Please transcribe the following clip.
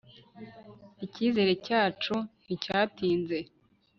icyizere cyacu nticyatinze